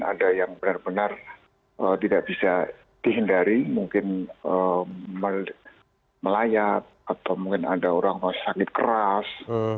ada yang benar benar tidak bisa dihindari mungkin melayat atau mungkin ada orang sakit keras